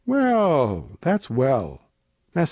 Well! that's well. Mess.